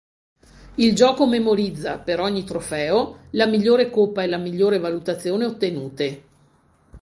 Il gioco memorizza, per ogni trofeo, la migliore coppa e la migliore valutazione ottenute.